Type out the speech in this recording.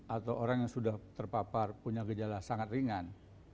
atau orang yang sudah terpapar punya gejala sangat ringan